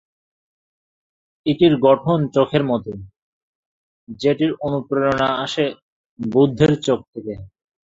এটির গঠন চোখের মতো, যেটির অনুপ্রেরণা আসে 'বুদ্ধের চোখ' দেখে।